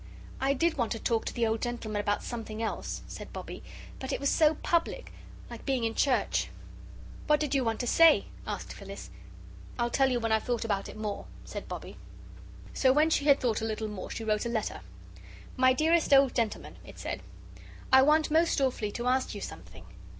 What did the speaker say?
"I did want to talk to the old gentleman about something else," said Bobbie, "but it was so public like being in church." "What did you want to say?" asked Phyllis. "I'll tell you when I've thought about it more," said Bobbie. So when she had thought a little more she wrote a letter. "My dearest old gentleman," it said; "I want most awfully to ask you something.